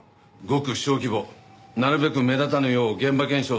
ごく小規模なるべく目立たぬよう現場検証